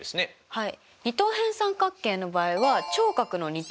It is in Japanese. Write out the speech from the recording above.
はい。